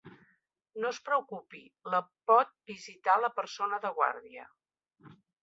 No es preocupi, la pot visitar la persona de guàrdia.